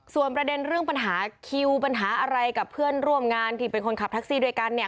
ส่วนประเด็นเรื่องปัญหาคิวปัญหาอะไรกับเพื่อนร่วมงานที่เป็นคนขับแท็กซี่ด้วยกันเนี่ย